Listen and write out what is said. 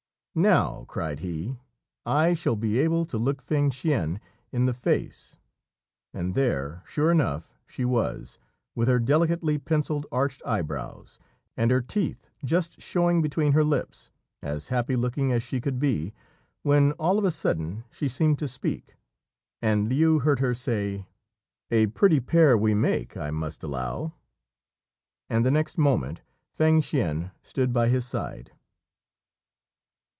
"Now," cried he, "I shall be able to look Fêng hsien in the face." And there, sure enough, she was, with her delicately pencilled arched eye brows, and her teeth just showing between her lips, as happy looking as she could be, when, all of a sudden, she seemed to speak, and Liu heard her say, "A pretty pair we make, I must allow" and the next moment Fêng hsien stood by his side.